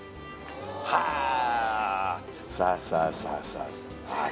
はあさあさあさあ